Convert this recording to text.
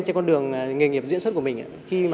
trên con đường nghề nghiệp diễn xuất của mình